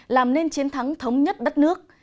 làm nên chiến thắng thống nhất đất nước